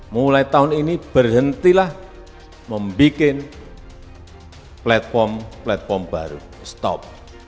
mulai tahun ini berhentilah membuat platform platform baru stop